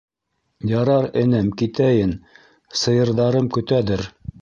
— Ярар, энем, китәйен, сыйырдарым көтәдер.